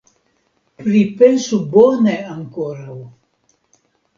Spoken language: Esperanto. Pripensu bone ankoraŭ.